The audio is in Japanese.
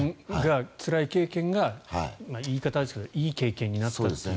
つらい経験が言い方があれですけどいい経験になったっていう。